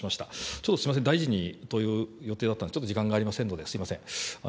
ちょっとすみません、大臣にという予定だったんですが、ちょっと時間がありませんので、すみません。